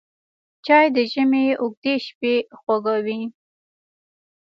چای د ژمي اوږدې شپې خوږوي